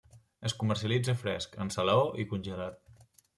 Es comercialitza fresc, en salaó i congelat.